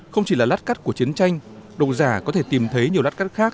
không chỉ là lát cắt của chiến tranh độc giả có thể tìm thấy nhiều lát cắt khác